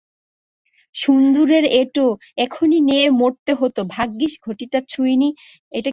শূন্দুরের এটো, এখখনি নেয়ে মরতে হোতভাগ্যিস ঘটিটা ছুইনি।